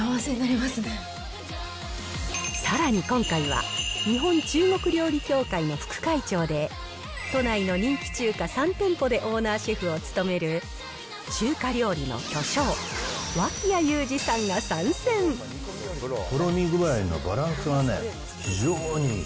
さらに今回は、日本中国料理協会の副会長で、都内の人気中華３店舗でオーナーシェフを務める中華料理の巨匠、とろみ具合のバランスがね、非常にいい。